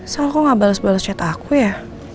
soal kok gak bales bales cetak aku ya